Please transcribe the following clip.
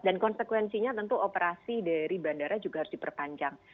konsekuensinya tentu operasi dari bandara juga harus diperpanjang